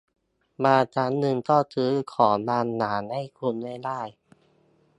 บางครั้งเงินก็ซื้อของบางอย่างให้คุณไม่ได้